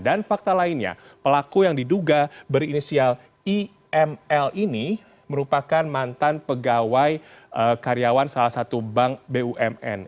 dan fakta lainnya pelaku yang diduga berinisial iml ini merupakan mantan pegawai karyawan salah satu bank bumn